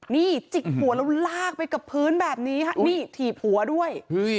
นี่จิกหัวแล้วลากไปกับพื้นแบบนี้ฮะนี่ถีบหัวด้วย